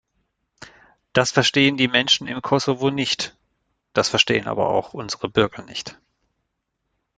Das verstehen die Menschen im Kosovo nicht, das verstehen aber auch unsere Bürger nicht.